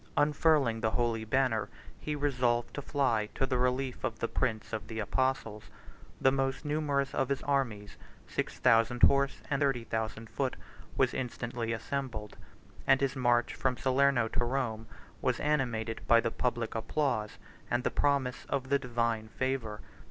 Unfurling the holy banner, he resolved to fly to the relief of the prince of the apostles: the most numerous of his armies, six thousand horse, and thirty thousand foot, was instantly assembled; and his march from Salerno to Rome was animated by the public applause and the promise of the divine favor.